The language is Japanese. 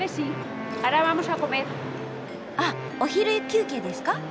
あっお昼休憩ですか？